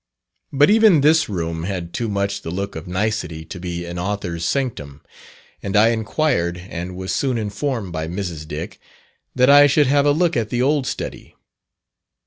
But even this room had too much the look of nicety to be an author's sanctum; and I inquired and was soon informed by Mrs. Dick, that I should have a look at the "old study."